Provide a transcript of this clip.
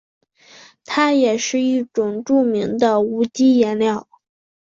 它也是一种著名的无机颜料。